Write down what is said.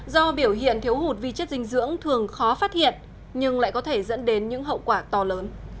do biểu hiện thiếu hụt vi chất dinh dưỡng thường khó phát hiện nhưng lại có thể dẫn đến những hậu quả to lớn